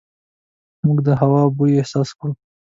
موږ د هوا بوی احساس کړو.